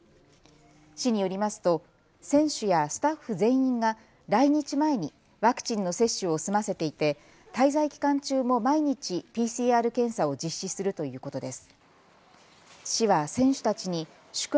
市によりますと選手やスタッフ全員が来日前にワクチンの接種を済ませていて滞在期間中も毎日、ＰＣＲ検査を実施するということです。